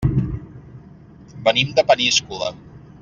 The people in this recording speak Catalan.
Venim de Peníscola.